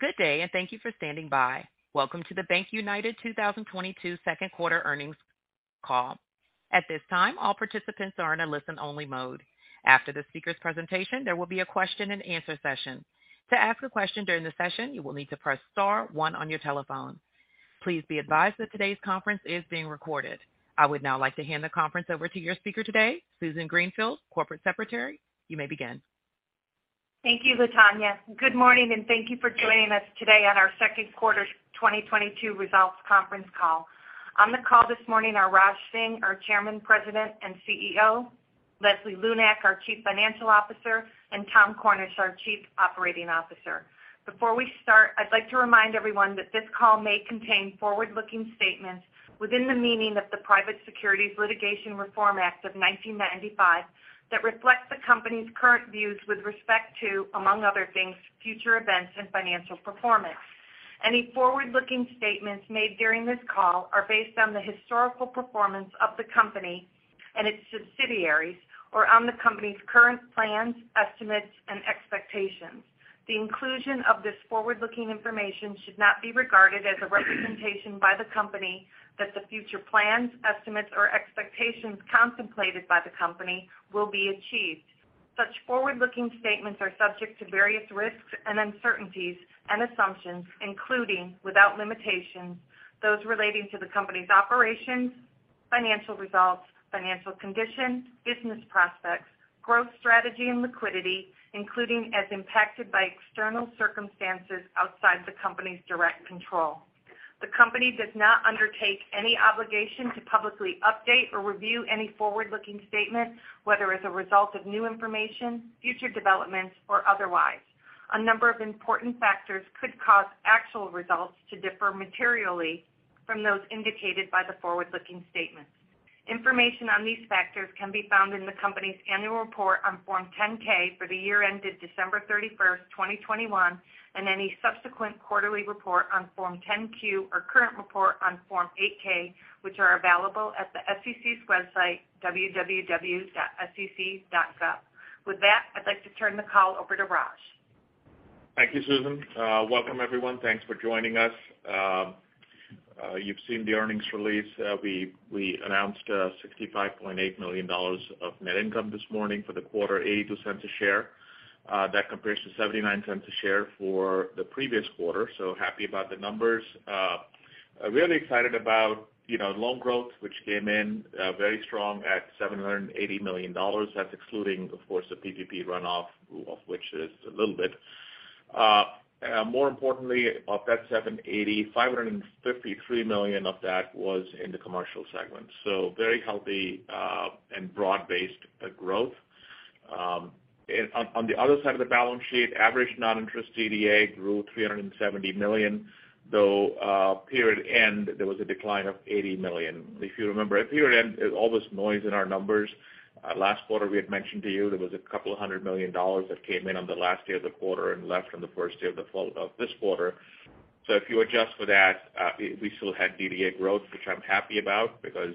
Good day, and thank you for standing by. Welcome to the BankUnited 2022 second quarter earnings call. At this time, all participants are in a listen-only mode. After the speaker's presentation, there will be a question and answer session. To ask a question during the session, you will need to press star one on your telephone. Please be advised that today's conference is being recorded. I would now like to hand the conference over to your speaker today, Susan Greenfield, Corporate Secretary. You may begin. Thank you, Latonya. Good morning, and thank you for joining us today on our second quarter 2022 results conference call. On the call this morning are Raj Singh, our Chairman, President, and CEO, Leslie Lunak, our Chief Financial Officer, and Tom Cornish, our Chief Operating Officer. Before we start, I'd like to remind everyone that this call may contain forward-looking statements within the meaning of the Private Securities Litigation Reform Act of 1995 that reflect the company's current views with respect to, among other things, future events and financial performance. Any forward-looking statements made during this call are based on the historical performance of the company and its subsidiaries or on the company's current plans, estimates, and expectations. The inclusion of this forward-looking information should not be regarded as a representation by the company that the future plans, estimates, or expectations contemplated by the company will be achieved. Such forward-looking statements are subject to various risks and uncertainties and assumptions, including, without limitation, those relating to the company's operations, financial results, financial condition, business prospects, growth strategy, and liquidity, including as impacted by external circumstances outside the company's direct control. The company does not undertake any obligation to publicly update or review any forward-looking statement, whether as a result of new information, future developments, or otherwise. A number of important factors could cause actual results to differ materially from those indicated by the forward-looking statements. Information on these factors can be found in the company's annual report on Form 10-K for the year ended December 31st, 2021, and any subsequent quarterly report on Form 10-Q or current report on Form 8-K, which are available at the SEC's website, www.sec.gov. With that, I'd like to turn the call over to Raj. Thank you, Susan. Welcome everyone. Thanks for joining us. You've seen the earnings release. We announced $65.8 million of net income this morning for the quarter, $0.82 a share. That compares to $0.79 a share for the previous quarter, so happy about the numbers. Really excited about, you know, loan growth, which came in very strong at $780 million. That's excluding, of course, the PPP runoff, of which is a little bit. More importantly, of that $780 million, $553 million of that was in the commercial segment, so very healthy and broad-based growth. On the other side of the balance sheet, average non-interest DDA grew $370 million, though period end, there was a decline of $80 million. If you remember, at period end, all this noise in our numbers, last quarter we had mentioned to you there was a couple $100 million that came in on the last day of the quarter and left on the first day of this quarter. If you adjust for that, we still had DDA growth, which I'm happy about because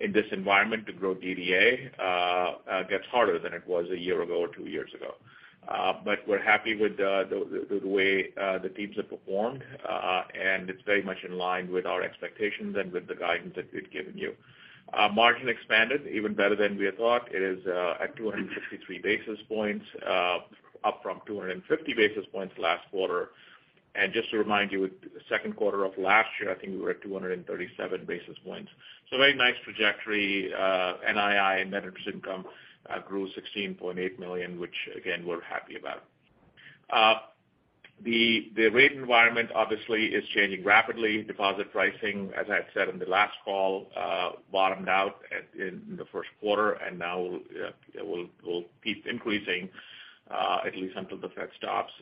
in this environment to grow DDA gets harder than it was a year ago or two years ago. We're happy with the way the teams have performed, and it's very much in line with our expectations and with the guidance that we've given you. Our margin expanded even better than we had thought. It is at 263 basis points, up from 250 basis points last quarter. Just to remind you, the second quarter of last year, I think we were at 237 basis points. Very nice trajectory. NII, net interest income, grew $16.8 million, which again, we're happy about. The rate environment obviously is changing rapidly. Deposit pricing, as I've said in the last call, bottomed out in the first quarter and now will keep increasing, at least until the Fed stops.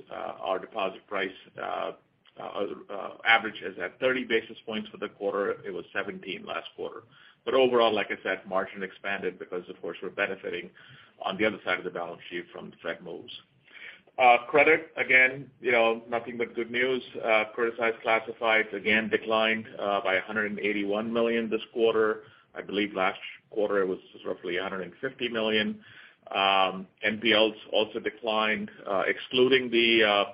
Our deposit price average is at 30 basis points for the quarter. It was 17 last quarter. Overall, like I said, margin expanded because, of course, we're benefiting on the other side of the balance sheet from the Fed moves. Credit, again, you know, nothing but good news. Criticized classifieds again declined by $181 million this quarter. I believe last quarter it was roughly $150 million. NPLs also declined, excluding the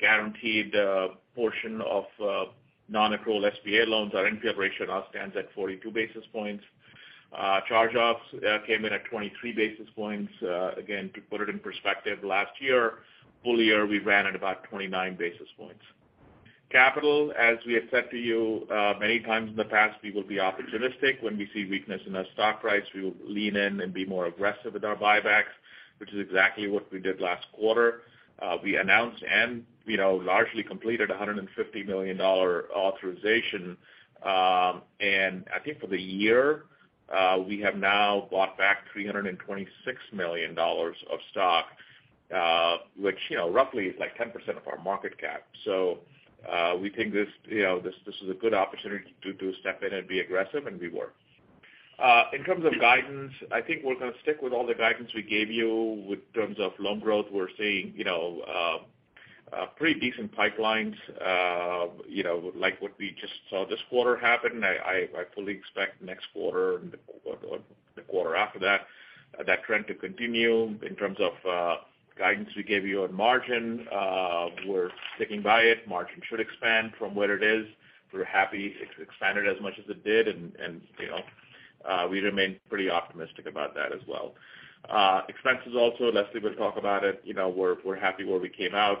guaranteed portion of non-accrual SBA loans. Our NPL ratio now stands at 42 basis points. Charge-offs came in at 23 basis points. Again, to put it in perspective, last year, full year, we ran at about 29 basis points. Capital, as we have said to you, many times in the past, we will be opportunistic. When we see weakness in our stock price, we will lean in and be more aggressive with our buybacks, which is exactly what we did last quarter. We announced and, you know, largely completed a $150 million authorization. I think for the year, we have now bought back $326 million of stock, which, you know, roughly is like 10% of our market cap. We think this, you know, this is a good opportunity to step in and be aggressive and we were. In terms of guidance, I think we're going to stick with all the guidance we gave you. In terms of loan growth, we're seeing, you know, pretty decent pipelines. You know, like what we just saw this quarter happen, I fully expect next quarter or the quarter after that trend to continue. In terms of guidance we gave you on margin, we're sticking by it. Margin should expand from where it is. We're happy it expanded as much as it did and, you know, we remain pretty optimistic about that as well. Expenses also, Leslie will talk about it. You know, we're happy where we came out.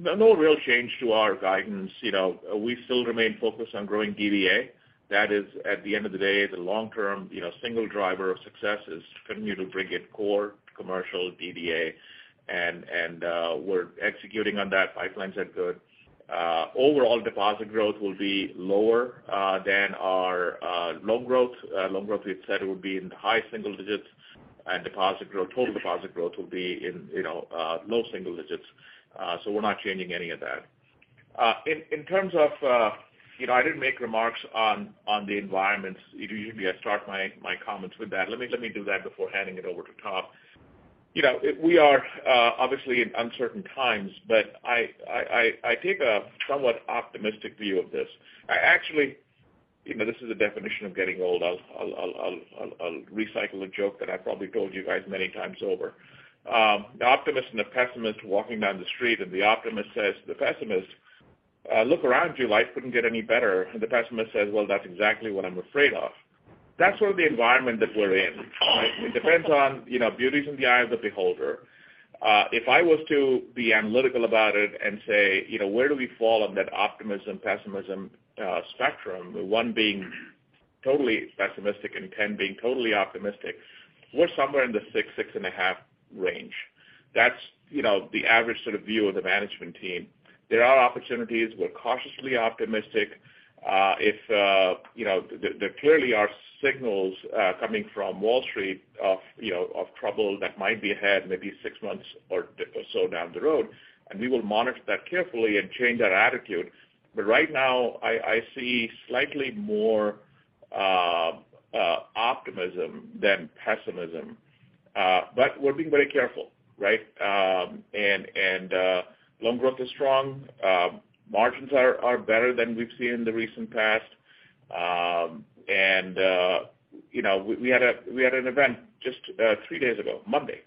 No real change to our guidance. You know, we still remain focused on growing DDA. That is at the end of the day, the long term, you know, single driver of success is to continue to bring in core commercial DDA and, we're executing on that. Pipelines are good. Overall deposit growth will be lower than our loan growth. Loan growth we've said will be in the high single digits and deposit growth, total deposit growth will be in, you know, low single digits. We're not changing any of that. In terms of, you know, I didn't make remarks on the environments. Usually I start my comments with that. Let me do that before handing it over to Tom. You know, we are obviously in uncertain times, but I take a somewhat optimistic view of this. I actually, you know, this is the definition of getting old. I'll recycle a joke that I probably told you guys many times over. The optimist and the pessimist walking down the street and the optimist says to the pessimist, "Look around you, life couldn't get any better." And the pessimist says, "Well, that's exactly what I'm afraid of." That's sort of the environment that we're in, right? It depends on, you know, beauty's in the eye of the beholder. If I was to be analytical about it and say, you know, where do we fall on that optimism, pessimism spectrum, one being totally pessimistic and 10 being totally optimistic, we're somewhere in the six-6.5 range. That's, you know, the average sort of view of the management team. There are opportunities. We're cautiously optimistic. If you know, there clearly are signals coming from Wall Street of, you know, of trouble that might be ahead maybe six months or so down the road, and we will monitor that carefully and change that attitude. But right now, I see slightly more optimism than pessimism. But we're being very careful, right? Loan growth is strong. Margins are better than we've seen in the recent past. You know, we had an event just three days ago, Monday,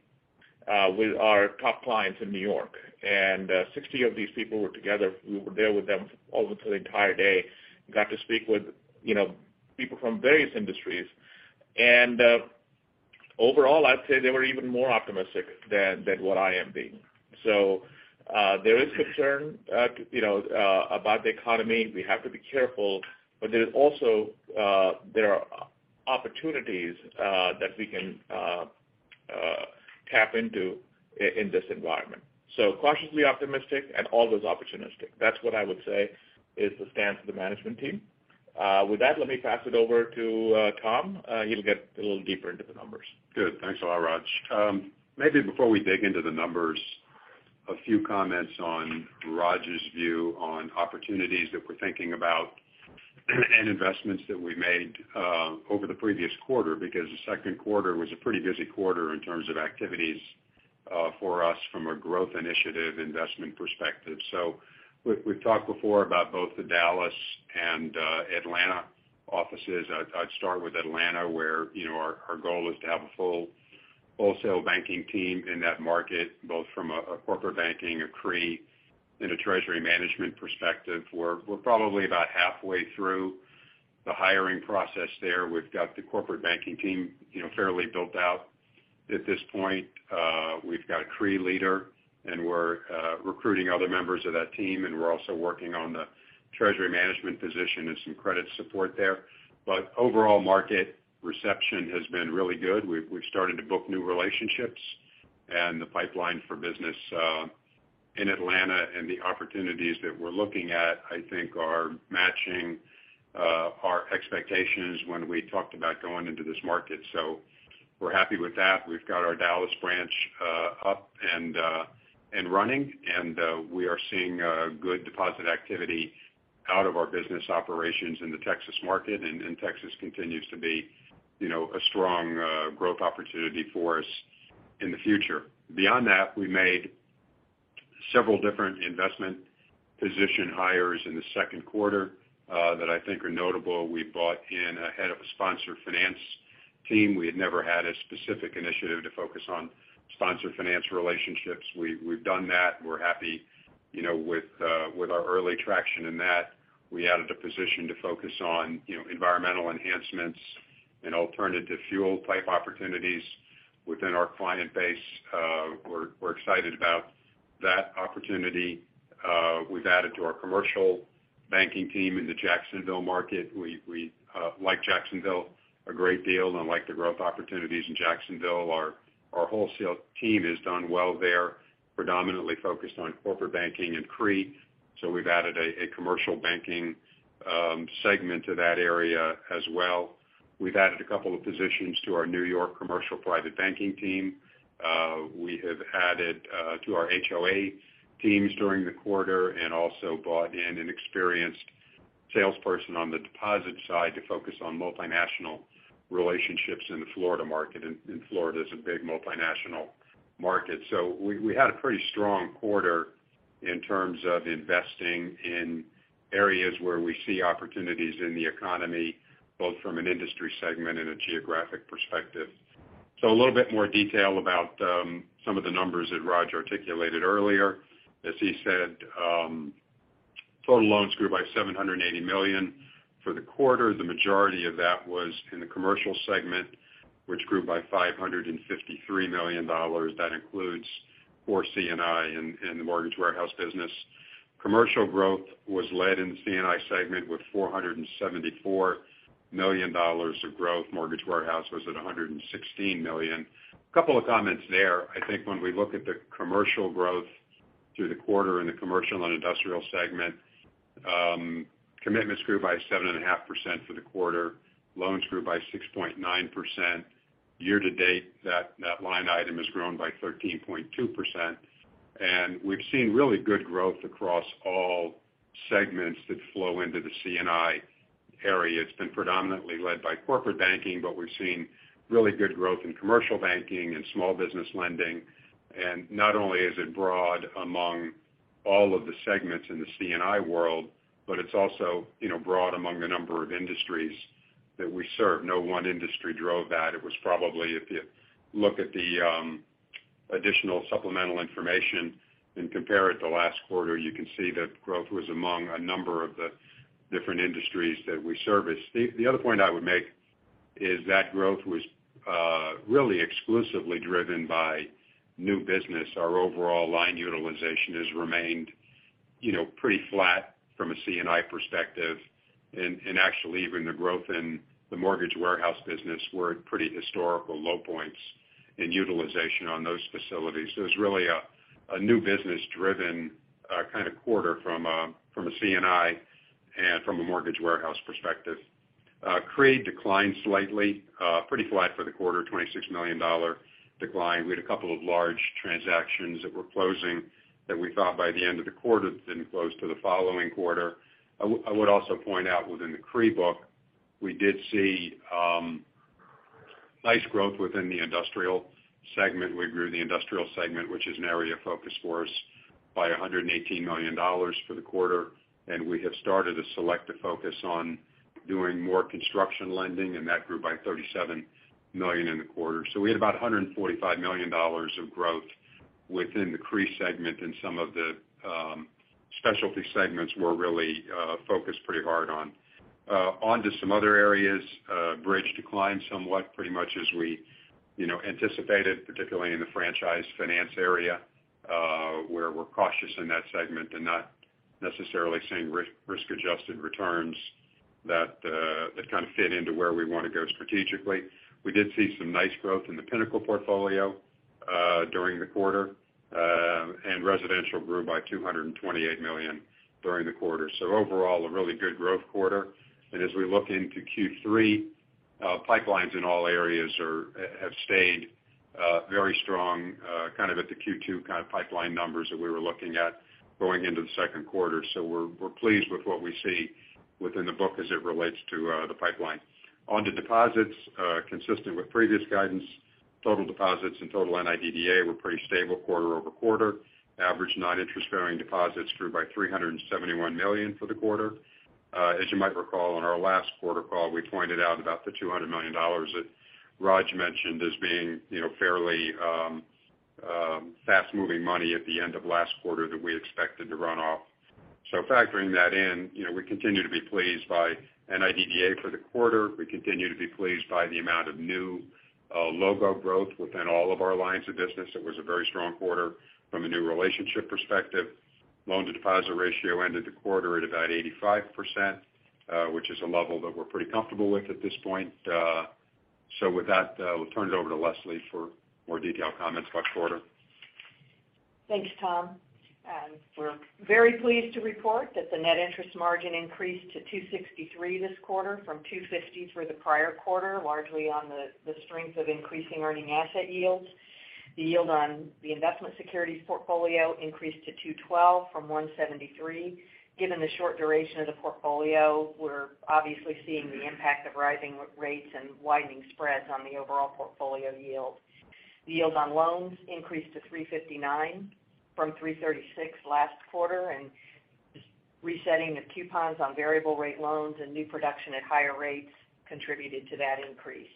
with our top clients in New York. 60 of these people were together. We were there with them all the way through the entire day. Got to speak with, you know, people from various industries. Overall, I'd say they were even more optimistic than what I am being. There is concern, you know, about the economy. We have to be careful, but there's also opportunities that we can tap into in this environment. Cautiously optimistic and always opportunistic. That's what I would say is the stance of the management team. With that, let me pass it over to Tom. He'll get a little deeper into the numbers. Good. Thanks a lot, Raj. Maybe before we dig into the numbers, a few comments on Raj's view on opportunities that we're thinking about and investments that we made over the previous quarter because the second quarter was a pretty busy quarter in terms of activities for us from a growth initiative investment perspective. We've talked before about both the Dallas and Atlanta offices. I'd start with Atlanta, where you know, our goal is to have a full wholesale banking team in that market, both from a corporate banking, a CRE, and a treasury management perspective. We're probably about halfway through the hiring process there. We've got the corporate banking team, you know, fairly built out at this point. We've got a CRE leader and we're recruiting other members of that team and we're also working on the treasury management position and some credit support there. Overall market reception has been really good. We've started to book new relationships and the pipeline for business in Atlanta and the opportunities that we're looking at, I think are matching our expectations when we talked about going into this market. We're happy with that. We've got our Dallas branch up and running, and we are seeing good deposit activity out of our business operations in the Texas market. Texas continues to be, you know, a strong growth opportunity for us in the future. Beyond that, we made several different investment position hires in the second quarter that I think are notable. We brought in a head of a sponsored finance team. We had never had a specific initiative to focus on sponsored finance relationships. We've done that. We're happy, you know, with our early traction in that. We added a position to focus on, you know, environmental enhancements and alternative fuel type opportunities within our client base. We're excited about that opportunity. We've added to our commercial banking team in the Jacksonville market. We like Jacksonville a great deal and like the growth opportunities in Jacksonville. Our wholesale team has done well there, predominantly focused on corporate banking and CRE. We've added a commercial banking segment to that area as well. We've added a couple of positions to our New York commercial private banking team. We have added to our HOA teams during the quarter and also brought in an experienced salesperson on the deposit side to focus on multinational relationships in the Florida market. Florida is a big multinational market. We had a pretty strong quarter in terms of investing in areas where we see opportunities in the economy, both from an industry segment and a geographic perspective. A little bit more detail about some of the numbers that Raj articulated earlier. As he said, total loans grew by $780 million for the quarter. The majority of that was in the commercial segment, which grew by $553 million. That includes core C&I in the mortgage warehouse business. Commercial growth was led in the C&I segment with $474 million of growth. Mortgage warehouse was at $116 million. A couple of comments there. I think when we look at the commercial growth through the quarter in the commercial and industrial segment, commitments grew by 7.5% for the quarter, loans grew by 6.9%. Year to date, that line item has grown by 13.2%. We've seen really good growth across all segments that flow into the C&I area. It's been predominantly led by corporate banking, but we're seeing really good growth in commercial banking and small business lending. Not only is it broad among all of the segments in the C&I world, but it's also, you know, broad among a number of industries that we serve. No one industry drove that. It was probably, if you look at the, additional supplemental information and compare it to last quarter, you can see that growth was among a number of the different industries that we service. The other point I would make is that growth was really exclusively driven by new business. Our overall line utilization has remained, you know, pretty flat from a C&I perspective. And actually, even the growth in the mortgage warehouse business were at pretty historical low points in utilization on those facilities. So it's really a new business-driven kind of quarter from a C&I and from a mortgage warehouse perspective. CRE declined slightly, pretty flat for the quarter, $26 million decline. We had a couple of large transactions that were closing that we thought by the end of the quarter then closed to the following quarter. I would also point out within the CRE book, we did see nice growth within the industrial segment. We grew the industrial segment, which is an area of focus for us, by $118 million for the quarter, and we have started a selective focus on doing more construction lending, and that grew by $37 million in the quarter. We had about $145 million of growth within the CRE segment, and some of the specialty segments we're really focused pretty hard on. Onto some other areas, bridge declined somewhat, pretty much as we you know anticipated, particularly in the franchise finance area, where we're cautious in that segment and not necessarily seeing risk-adjusted returns that kind of fit into where we wanna go strategically. We did see some nice growth in the Pinnacle portfolio during the quarter. Residential grew by $228 million during the quarter. Overall, a really good growth quarter. As we look into Q3, pipelines in all areas have stayed very strong, kind of at the Q2 kind of pipeline numbers that we were looking at going into the second quarter. We're pleased with what we see within the book as it relates to the pipeline. On to deposits, consistent with previous guidance, total deposits and total NIDDA were pretty stable quarter-over-quarter. Average non-interest-bearing deposits grew by $371 million for the quarter. As you might recall, on our last quarter call, we pointed out about the $200 million that Raj mentioned as being, you know, fairly, fast-moving money at the end of last quarter that we expected to run off. Factoring that in, you know, we continue to be pleased by NIDDA for the quarter. We continue to be pleased by the amount of new, logo growth within all of our lines of business. It was a very strong quarter from a new relationship perspective. Loan-to-deposit ratio ended the quarter at about 85%, which is a level that we're pretty comfortable with at this point. With that, we'll turn it over to Leslie for more detailed comments about the quarter. Thanks, Tom. We're very pleased to report that the net interest margin increased to 2.63% this quarter from 2.50% for the prior quarter, largely on the strength of increasing earning asset yields. The yield on the investment securities portfolio increased to 2.12% from 1.73%. Given the short duration of the portfolio, we're obviously seeing the impact of rising rates and widening spreads on the overall portfolio yield. The yield on loans increased to 3.59% from 3.36% last quarter, and resetting the coupons on variable rate loans and new production at higher rates contributed to that increase.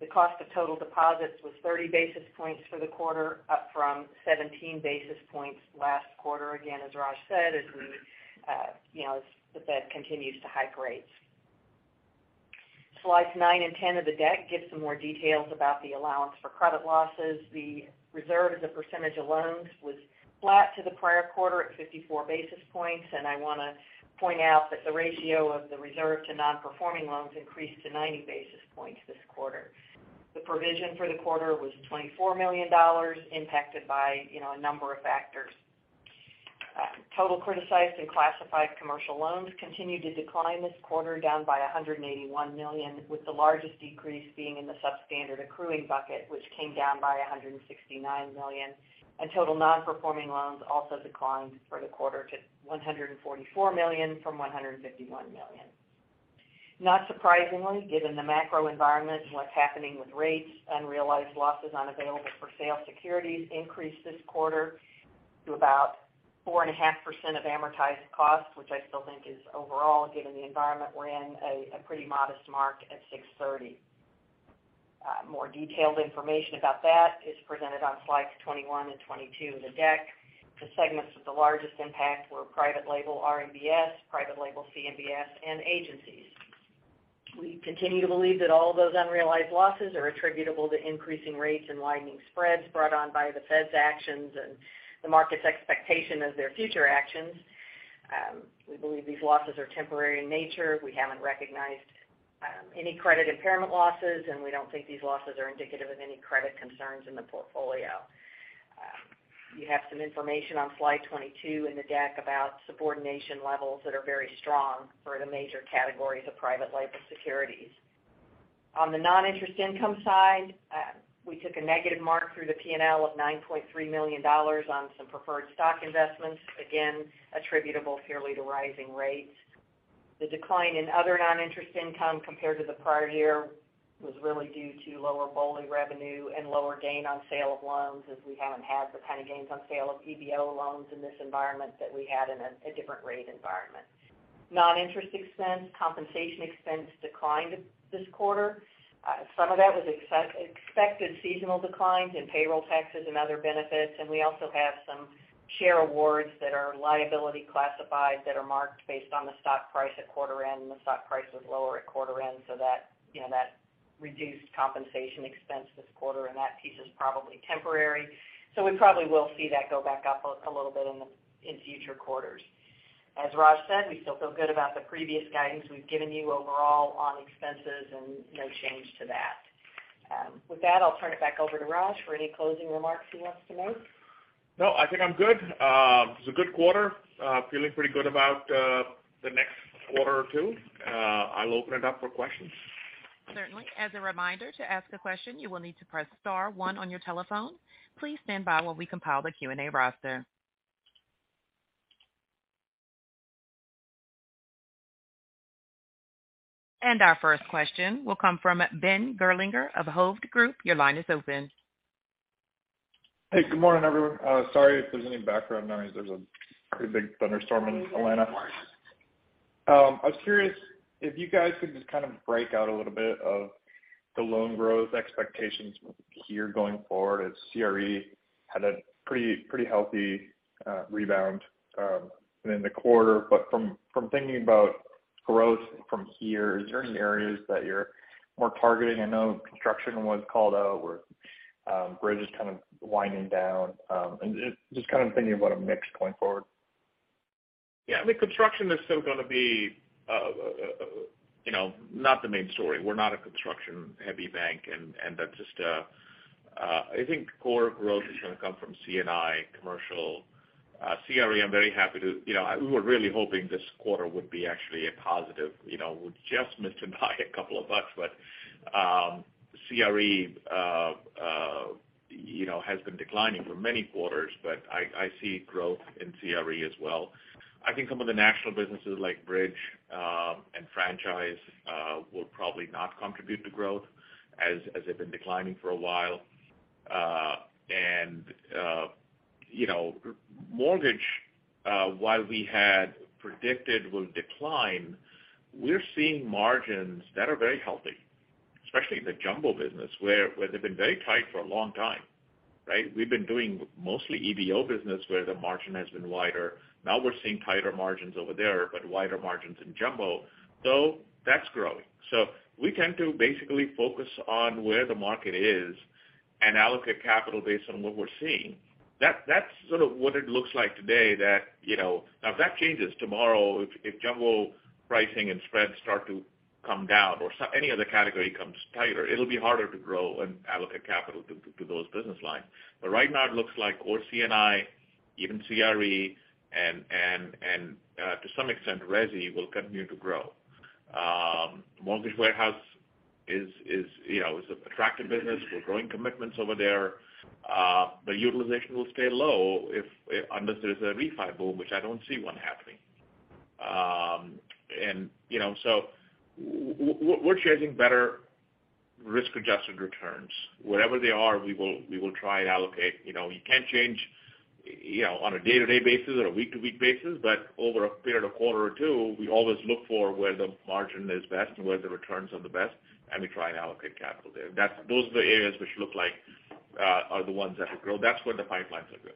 The cost of total deposits was 30 basis points for the quarter, up from 17 basis points last quarter. Again, as Raj said, as we, you know, as the Fed continues to hike rates. Slides nine and 10 of the deck give some more details about the allowance for credit losses. The reserve as a percentage of loans was flat to the prior quarter at 54 basis points. I wanna point out that the ratio of the reserve to non-performing loans increased to 90 basis points this quarter. The provision for the quarter was $24 million, impacted by, you know, a number of factors. Total criticized and classified commercial loans continued to decline this quarter, down by $181 million, with the largest decrease being in the substandard accruing bucket, which came down by $169 million. Total non-performing loans also declined for the quarter to $144 million from $151 million. Not surprisingly, given the macro environment and what's happening with rates, unrealized losses on available-for-sale securities increased this quarter to about 4.5% of amortized cost, which I still think is overall, given the environment we're in, a pretty modest mark at 6/30. More detailed information about that is presented on Slides 21 and 22 of the deck. The segments with the largest impact were private label RMBS, private label CMBS, and agencies. We continue to believe that all those unrealized losses are attributable to increasing rates and widening spreads brought on by the Fed's actions and the market's expectation of their future actions. We believe these losses are temporary in nature. We haven't recognized any credit impairment losses, and we don't think these losses are indicative of any credit concerns in the portfolio. You have some information on Slide 22 in the deck about subordination levels that are very strong for the major categories of private label securities. On the non-interest income side, we took a negative mark through the P&L of $9.3 million on some preferred stock investments, again attributable fairly to rising rates. The decline in other non-interest income compared to the prior year was really due to lower BOLI revenue and lower gain on sale of loans as we haven't had the kind of gains on sale of SBA loans in this environment that we had in a different rate environment. Non-interest expense, compensation expense declined this quarter. Some of that was expected seasonal declines in payroll taxes and other benefits. We also have some share awards that are liability classified that are marked based on the stock price at quarter end, and the stock price was lower at quarter end, so that, you know, that reduced compensation expense this quarter, and that piece is probably temporary. We probably will see that go back up a little bit in future quarters. As Raj said, we still feel good about the previous guidance we've given you overall on expenses and no change to that. With that, I'll turn it back over to Raj for any closing remarks he wants to make. No, I think I'm good. It was a good quarter. Feeling pretty good about the next quarter or two. I'll open it up for questions. Certainly. As a reminder, to ask a question, you will need to press star one on your telephone. Please stand by while we compile the Q&A roster. Our first question will come from Ben Gerlinger of Hovde Group. Your line is open. Hey, good morning, everyone. Sorry if there's any background noise. There's a pretty big thunderstorm in Atlanta. I was curious if you guys could just kind of break out a little bit of the loan growth expectations here going forward, as CRE had a pretty healthy rebound within the quarter. From thinking about growth from here, is there any areas that you're more targeting? I know construction was called out or bridge is kind of winding down. Just kind of thinking about a mix going forward. Yeah, I mean, construction is still gonna be, you know, not the main story. We're not a construction-heavy bank, and that's just, I think core growth is gonna come from C&I, commercial. CRE, I'm very happy to, you know, we were really hoping this quarter would be actually a positive, you know, we just missed it by a couple of bucks. CRE, you know, has been declining for many quarters, but I see growth in CRE as well. I think some of the national businesses like Bridge and Franchise will probably not contribute to growth as they've been declining for a while. You know, mortgage, while we had predicted will decline, we're seeing margins that are very healthy, especially in the jumbo business, where they've been very tight for a long time, right? We've been doing mostly EBO business where the margin has been wider. Now we're seeing tighter margins over there, but wider margins in jumbo. That's growing. We tend to basically focus on where the market is and allocate capital based on what we're seeing. That's sort of what it looks like today, you know. Now if that changes tomorrow, if jumbo pricing and spreads start to come down or any other category comes tighter, it'll be harder to grow and allocate capital to those business lines. Right now it looks like our C&I, even CRE and to some extent resi will continue to grow. Mortgage warehouse, you know, is an attractive business. We're growing commitments over there. Utilization will stay low unless there's a refi boom, which I don't see one happening. You know, we're chasing better risk-adjusted returns. Wherever they are, we will try and allocate. You know, you can't change on a day-to-day basis or a week-to-week basis, but over a period of a quarter or two, we always look for where the margin is best and where the returns are the best, and we try and allocate capital there. Those are the areas which look like are the ones that will grow. That's where the pipelines are good.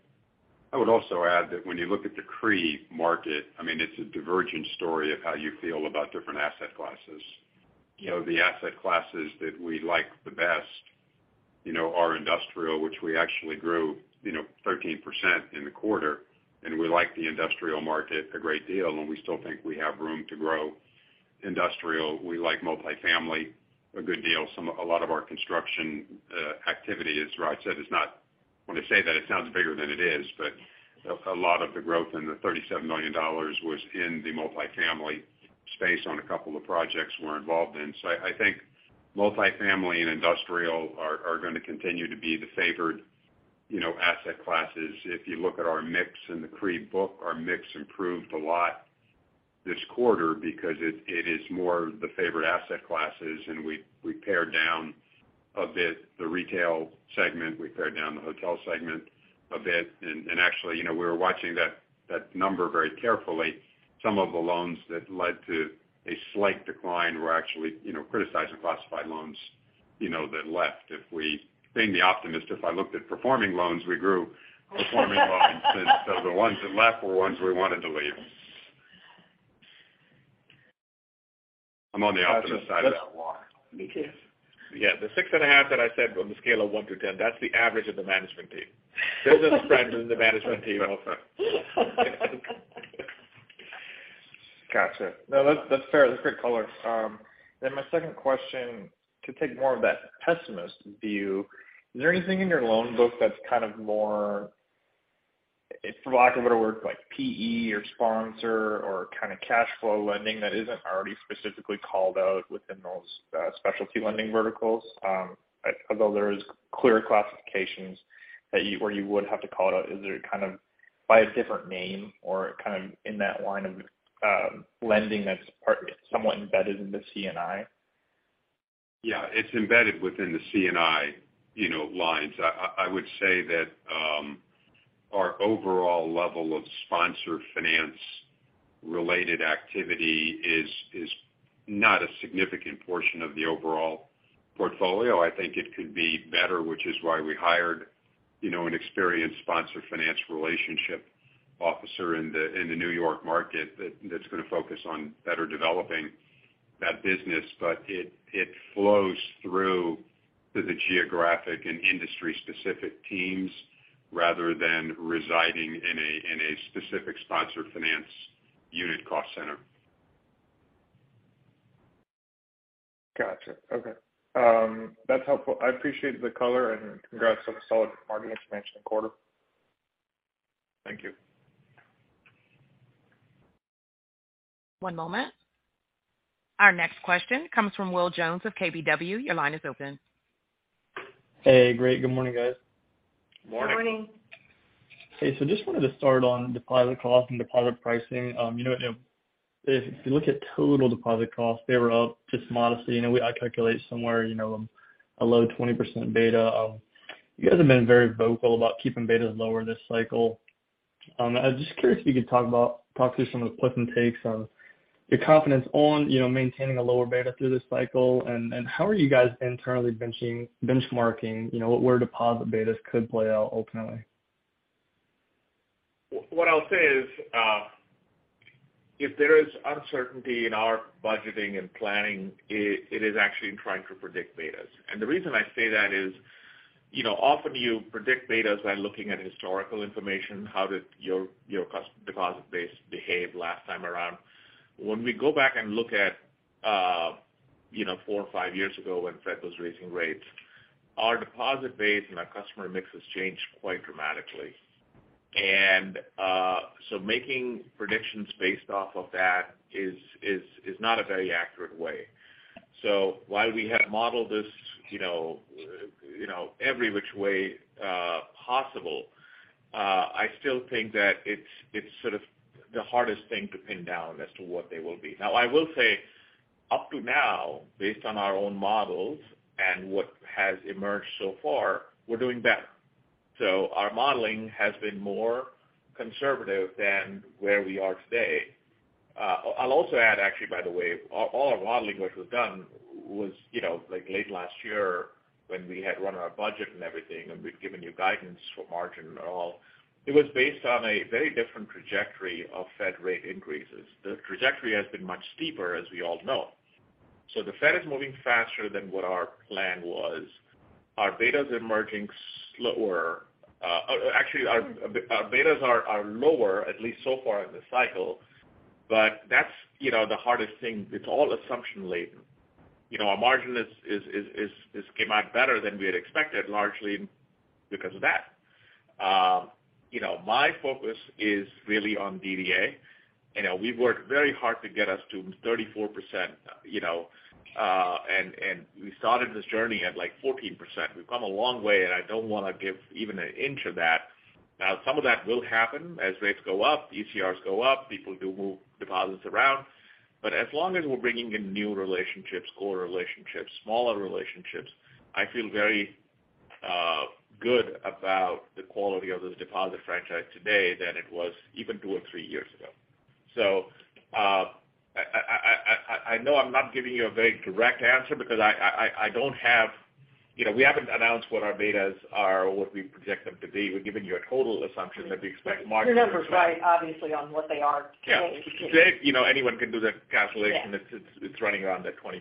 I would also add that when you look at the CRE market, I mean, it's a divergent story of how you feel about different asset classes. You know, the asset classes that we like the best, you know, are industrial, which we actually grew, you know, 13% in the quarter. We like the industrial market a great deal, and we still think we have room to grow industrial. We like multifamily a good deal. A lot of our construction activity, as Raj said, when I say that, it sounds bigger than it is, but a lot of the growth in the $37 million was in the multifamily space on a couple of projects we're involved in. I think multifamily and industrial are gonna continue to be the favored You know, asset classes, if you look at our mix in the CRE book, our mix improved a lot this quarter because it is more the favored asset classes, and we pared down a bit the retail segment, we pared down the hotel segment a bit. Actually, you know, we were watching that number very carefully. Some of the loans that led to a slight decline were actually, you know, criticized and classified loans, you know, that left. Being the optimist, if I looked at performing loans, we grew performing loans. The ones that left were ones we wanted to leave. I'm on the optimist side of that one. Me too. Yeah. The 6.5 that I said on the scale of one to 10, that's the average of the management team. Those are the friends in the management team also. Gotcha. No, that's fair. That's great color. My second question, to take more of that pessimist view, is there anything in your loan book that's kind of more, for lack of better word, like PE or sponsor or kind of cash flow lending that isn't already specifically called out within those, specialty lending verticals? Although there is clear classifications that or you would have to call it out, is there kind of by a different name or kind of in that line of, lending that's somewhat embedded in the C&I? Yeah, it's embedded within the C&I, you know, lines. I would say that our overall level of sponsor finance related activity is not a significant portion of the overall portfolio. I think it could be better, which is why we hired, you know, an experienced sponsor finance relationship officer in the New York market that's gonna focus on better developing that business. It flows through to the geographic and industry specific teams rather than residing in a specific sponsor finance unit cost center. Gotcha. Okay. That's helpful. I appreciate the color and congrats on the solid earnings mentioned quarter. Thank you. One moment. Our next question comes from Will Jones of KBW. Your line is open. Hey, great. Good morning, guys. Good morning. Good morning. Okay. Just wanted to start on deposit costs and deposit pricing. You know, if you look at total deposit costs, they were up just modestly. You know, I calculate somewhere, you know, a low 20% beta. You guys have been very vocal about keeping betas lower this cycle. I'm just curious if you could talk through some of the puts and takes on your confidence on, you know, maintaining a lower beta through this cycle. How are you guys internally benchmarking, you know, where deposit betas could play out ultimately? What I'll say is, if there is uncertainty in our budgeting and planning, it is actually in trying to predict betas. The reason I say that is, often you predict betas by looking at historical information. How did your deposit base behave last time around? When we go back and look at, four or five years ago when Fed was raising rates, our deposit base and our customer mix has changed quite dramatically. Making predictions based off of that is not a very accurate way. While we have modeled this, every which way possible, I still think that it's sort of the hardest thing to pin down as to what they will be. Now, I will say up to now, based on our own models and what has emerged so far, we're doing better. Our modeling has been more conservative than where we are today. I'll also add actually by the way, all our modeling work was done, you know, like late last year when we had run our budget and everything, and we'd given you guidance for margin and all. It was based on a very different trajectory of Fed rate increases. The trajectory has been much steeper, as we all know. The Fed is moving faster than what our plan was. Our beta's emerging slower. Actually, our betas are lower, at least so far in this cycle. But that's, you know, the hardest thing. It's all assumption laden. You know, our margin is came out better than we had expected, largely because of that. You know, my focus is really on DDA. You know, we've worked very hard to get us to 34%, you know, and we started this journey at like 14%. We've come a long way, and I don't wanna give even an inch of that. Now some of that will happen as rates go up, ECRs go up, people do move deposits around. But as long as we're bringing in new relationships, core relationships, smaller relationships, I feel very good about the quality of this deposit franchise today than it was even two or three years ago. I know I'm not giving you a very direct answer because I don't have. You know, we haven't announced what our betas are or what we project them to be. We've given you a total assumption that we expect margin- Your numbers, right, obviously on what they are today. Yeah. You know, anyone can do that calculation. Yeah. It's running around that 20%.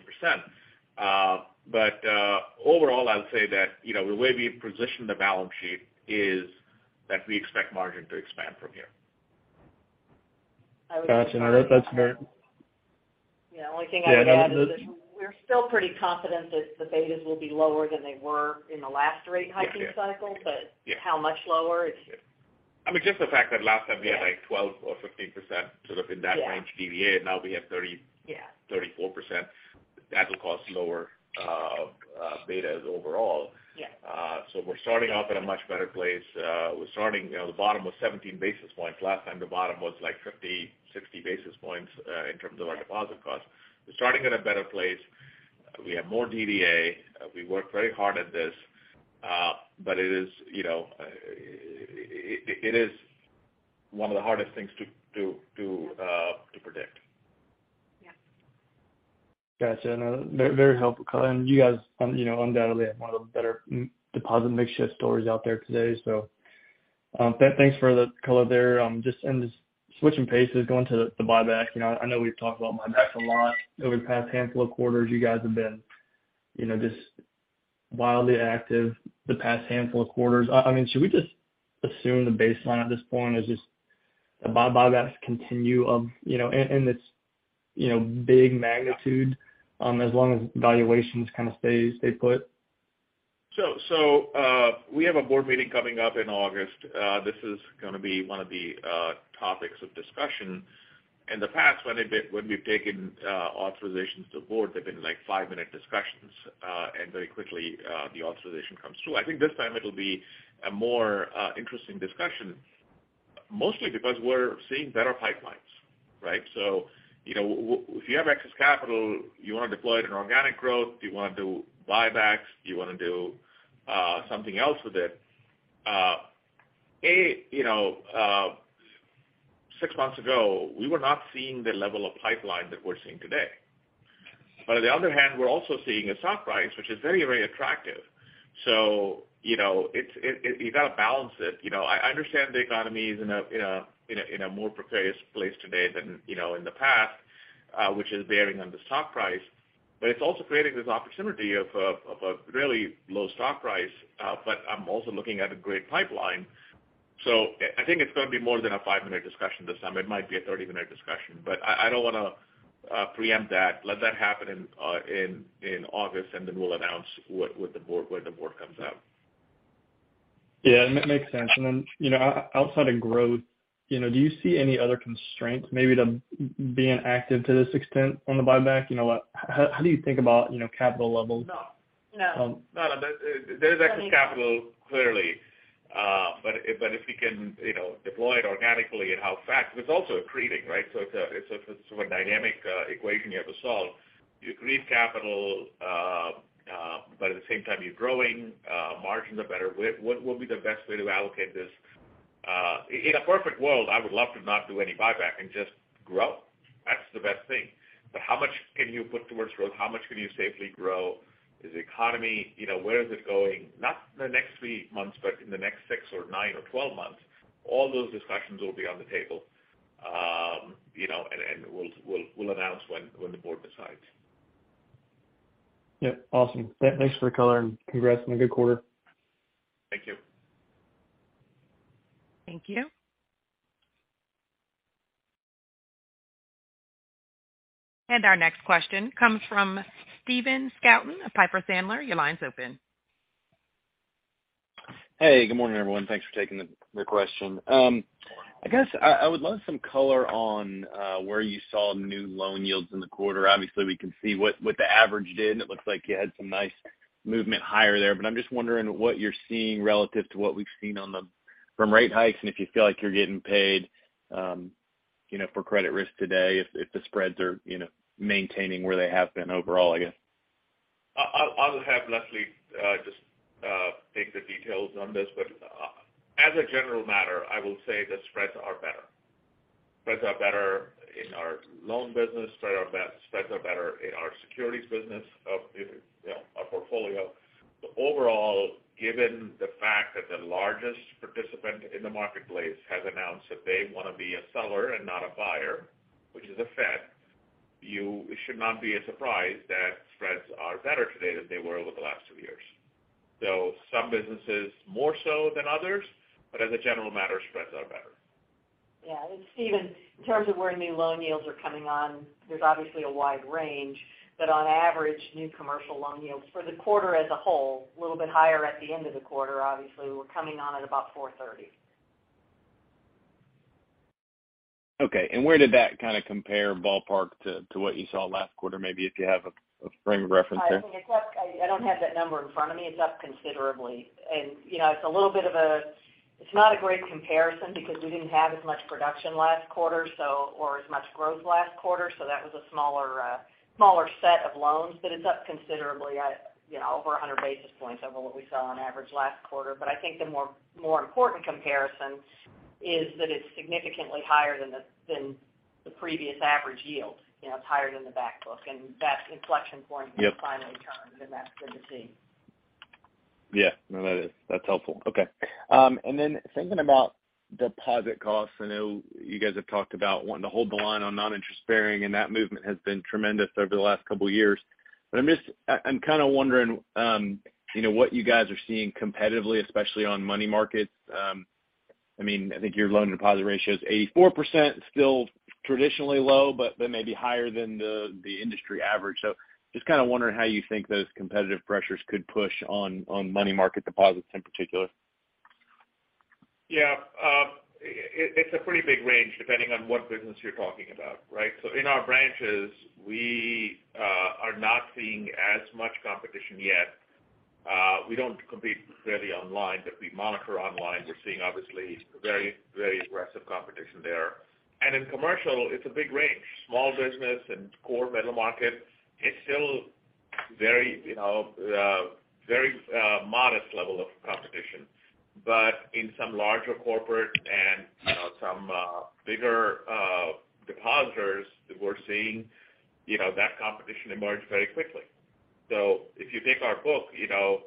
Overall, I'll say that, you know, the way we position the balance sheet is that we expect margin to expand from here. Got you. No, that's fair. Yeah, only thing I'd add is that we're still pretty confident that the betas will be lower than they were in the last rate hiking cycle. Yeah. How much lower is it? I mean, just the fact that last time we had like 12% or 15% sort of in that range DDA, now we have 30%- Yeah 34%, that will cause lower betas overall. Yeah. We're starting off in a much better place. We're starting, you know, the bottom was 17 basis points. Last time the bottom was like 50, 60 basis points, in terms of our deposit cost. We're starting in a better place. We have more DDA. We worked very hard at this, but it is, you know, it is one of the hardest things to to predict. Yeah. Gotcha. No, very, very helpful color. You guys, you know, undoubtedly have one of the better non-deposit mix stories out there today. Thanks for the color there. Just switching topics, going to the buyback. You know, I know we've talked about buybacks a lot over the past handful of quarters. You guys have been, you know, just wildly active the past handful of quarters. I mean, should we just assume the baseline at this point is just the buybacks continue of, you know, and it's, you know, big magnitude, as long as valuations kind of stay put? We have a board meeting coming up in August. This is gonna be one of the topics of discussion. In the past, when we've taken authorizations to the board, they've been like five-minute discussions. Very quickly, the authorization comes through. I think this time it'll be a more interesting discussion, mostly because we're seeing better pipelines, right? You know, if you have excess capital, you wanna deploy it in organic growth, you wanna do buybacks, you wanna do something else with it. You know, six months ago, we were not seeing the level of pipeline that we're seeing today. On the other hand, we're also seeing a stock price, which is very, very attractive. You know, you gotta balance it. You know, I understand the economy is in a more precarious place today than, you know, in the past, which is bearing on the stock price, but it's also creating this opportunity of a really low stock price. I'm also looking at a great pipeline. I think it's gonna be more than a five-minute discussion this time. It might be a 30-minute discussion, but I don't wanna preempt that. Let that happen in August, and then we'll announce what the board comes out. Yeah, makes sense. You know, outside of growth, you know, do you see any other constraints maybe to being active to this extent on the buyback? You know, like, how do you think about, you know, capital levels? No. No. No, no. There's excess capital, clearly. But if we can, you know, deploy it organically and how fast, it's also accreting, right? It's a dynamic equation you have to solve. You create capital, but at the same time you're growing, margins are better. What will be the best way to allocate this? In a perfect world, I would love to not do any buyback and just grow. That's the best thing. How much can you put towards growth? How much can you safely grow? Is the economy, you know, where is it going? Not in the next three months, but in the next six or nine or 12 months, all those discussions will be on the table. You know, we'll announce when the board decides. Yep, awesome. Thanks for the color and congrats on a good quarter. Thank you. Thank you. Our next question comes from Stephen Scouten of Piper Sandler. Your line's open. Hey, good morning, everyone. Thanks for taking the question. I guess I would love some color on where you saw new loan yields in the quarter. Obviously, we can see what the average did, and it looks like you had some nice movement higher there. I'm just wondering what you're seeing relative to what we've seen from rate hikes and if you feel like you're getting paid, you know, for credit risk today, if the spreads are, you know, maintaining where they have been overall, I guess. I'll have Leslie just take the details on this. As a general matter, I will say the spreads are better. Spreads are better in our loan business. Spreads are better in our securities business of, you know, our portfolio. Overall, given the fact that the largest participant in the marketplace has announced that they wanna be a seller and not a buyer, which is the Fed, it should not be a surprise that spreads are better today than they were over the last two years. Some businesses more so than others, but as a general matter, spreads are better. Yeah. Stephen, in terms of where new loan yields are coming on, there's obviously a wide range. On average, new commercial loan yields for the quarter as a whole, little bit higher at the end of the quarter, obviously were coming on at about 4.30%. Okay. Where did that kinda compare ballpark to what you saw last quarter? Maybe if you have a frame of reference there. I think it's up. I don't have that number in front of me. It's up considerably. You know, it's not a great comparison because we didn't have as much production last quarter or as much growth last quarter. That was a smaller set of loans. But it's up considerably, you know, over 100 basis points over what we saw on average last quarter. But I think the more important comparison is that it's significantly higher than the previous average yield. You know, it's higher than the back book, and that inflection point. Yep. has finally turned, and that's good to see. Yeah. No, that is. That's helpful. Okay. Then thinking about deposit costs, I know you guys have talked about wanting to hold the line on non-interest-bearing, and that movement has been tremendous over the last couple years. I'm just kinda wondering, you know, what you guys are seeing competitively, especially on money markets. I mean, I think your loan-to-deposit ratio is 84% still traditionally low, but maybe higher than the industry average. Just kind of wondering how you think those competitive pressures could push on money market deposits in particular? Yeah. It's a pretty big range depending on what business you're talking about, right? In our branches, we are not seeing as much competition yet. We don't compete really online, but we monitor online. We're seeing obviously very aggressive competition there. In commercial, it's a big range. Small business and core middle market, it's still very, you know, very modest level of competition. In some larger corporate and, you know, some bigger depositors that we're seeing, you know, that competition emerge very quickly. If you take our book, you know,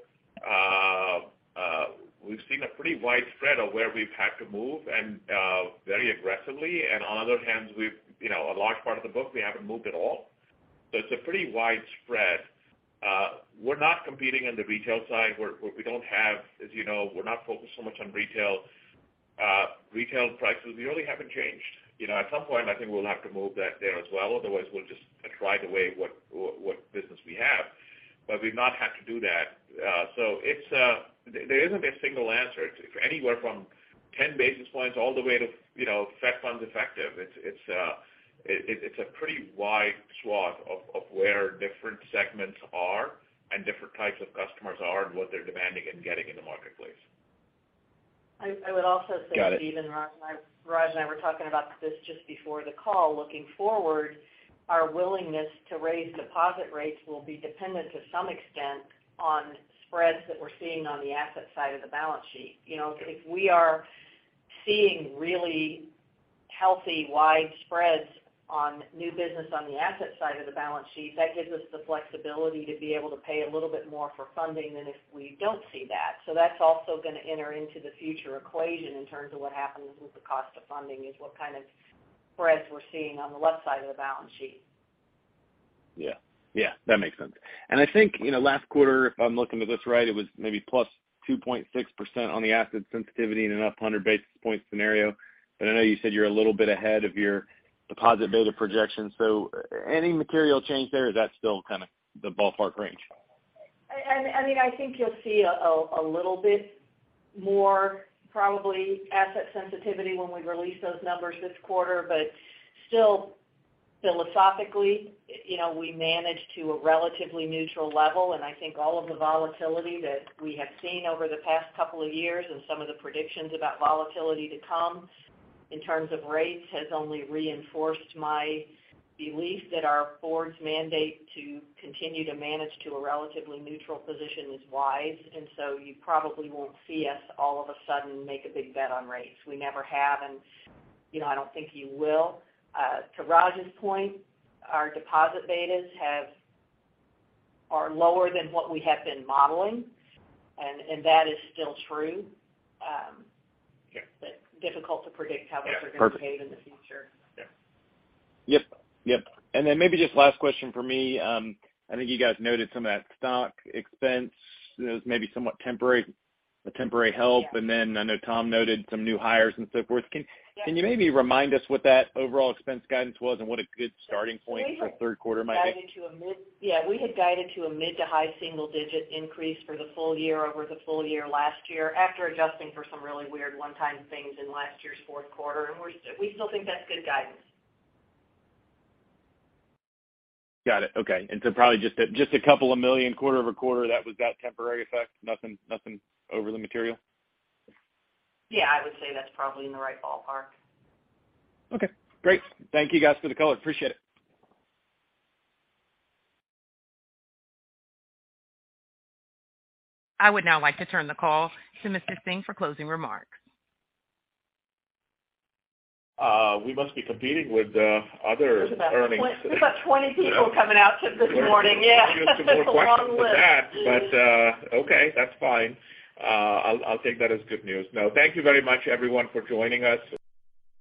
we've seen a pretty wide spread of where we've had to move and very aggressively. On the other hand, we've, you know, a large part of the book, we haven't moved at all. It's a pretty wide spread. We're not competing on the retail side, where we don't have, as you know, we're not focused so much on retail. Retail prices really haven't changed. You know, at some point, I think we'll have to move that there as well, otherwise we'll just attrite away what business we have. But we've not had to do that. There isn't a single answer. It's anywhere from 10 basis points all the way to, you know, Fed funds effective. It's a pretty wide swath of where different segments are and different types of customers are and what they're demanding and getting in the marketplace. I would also say. Got it. Raj and I were talking about this just before the call. Looking forward, our willingness to raise deposit rates will be dependent to some extent on spreads that we're seeing on the asset side of the balance sheet. You know, if we are seeing really healthy wide spreads on new business on the asset side of the balance sheet, that gives us the flexibility to be able to pay a little bit more for funding than if we don't see that. That's also gonna enter into the future equation in terms of what happens with the cost of funding is what kind of spreads we're seeing on the left side of the balance sheet. Yeah. Yeah, that makes sense. I think, you know, last quarter, if I'm looking at this right, it was maybe +2.6% on the asset sensitivity in an up 100 basis points scenario. I know you said you're a little bit ahead of your deposit beta projections. Any material change there, or is that still kinda the ballpark range? I mean, I think you'll see a little bit more probably asset sensitivity when we release those numbers this quarter, but still philosophically, you know, we manage to a relatively neutral level. I think all of the volatility that we have seen over the past couple of years and some of the predictions about volatility to come in terms of rates has only reinforced my belief that our board's mandate to continue to manage to a relatively neutral position is wise. You probably won't see us all of a sudden make a big bet on rates. We never have, and you know, I don't think you will. To Raj's point, our deposit betas are lower than what we have been modeling, and that is still true. Yeah. Difficult to predict how those are gonna behave in the future. Yeah. Yep. Then maybe just last question for me. I think you guys noted some of that stock expense is maybe somewhat temporary, a temporary help. Yeah. I know Tom noted some new hires and so forth. Yeah. Can you maybe remind us what that overall expense guidance was and what a good starting point for third quarter might be? We had guided to a mid- to high-single-digit increase for the full year over the full year last year after adjusting for some really weird one-time things in last year's fourth quarter. We're still think that's good guidance. Got it. Okay. Probably just a $2 million quarter-over-quarter that was the temporary effect. Nothing overly material. Yeah, I would say that's probably in the right ballpark. Okay, great. Thank you guys for the color. Appreciate it. I would now like to turn the call to Mr. Singh for closing remarks. We must be competing with other earnings. We've got 20 people coming out to this morning. Yeah. We need some more questions for that. Okay, that's fine. I'll take that as good news. No, thank you very much, everyone, for joining us.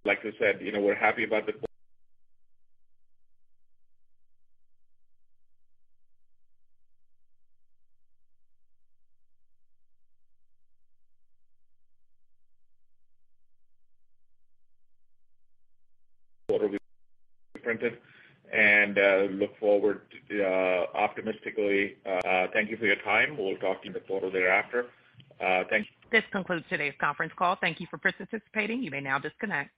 Like I said, you know, we're happy about the quarter we printed and look forward optimistically. Thank you for your time. We'll talk to you in the quarter thereafter. Thank you. This concludes today's conference call. Thank you for participating. You may now disconnect.